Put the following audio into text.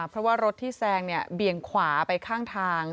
เพราะว่ารถที่แซงเนี่ยเบี่ยงขวาไปข้างทาง